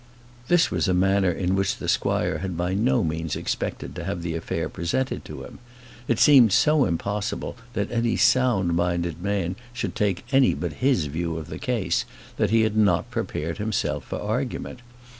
This was a manner in which the squire had by no means expected to have the affair presented to him. It seemed so impossible that any sound minded man should take any but his view of the case, that he had not prepared himself for argument.